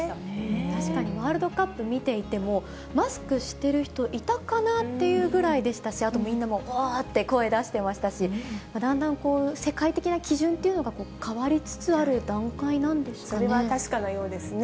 確かに、ワールドカップ見ていても、マスクしている人、いたかなっていうぐらいでしたし、みんなもおーって声出してましたし、だんだん、世界的な基準というのが変わりつつある段階なんですかね。